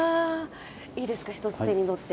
いいですか一つ手に取って。